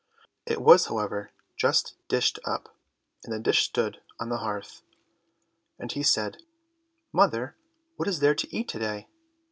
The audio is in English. It was, however, just dished up, and the dish stood on the hearth. Then he said, "Mother, what is there to eat to day?"